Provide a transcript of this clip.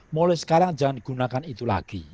mulai sekarang jangan digunakan itu lagi